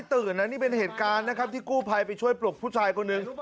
ตื่นนะนี่เป็นเหตุการณ์นะครับที่กู้ภัยไปช่วยปลุกผู้ชายคนหนึ่ง